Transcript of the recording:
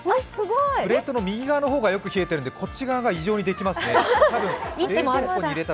プレートの右側の方がよく冷えているのでこっち側が異常にできますね。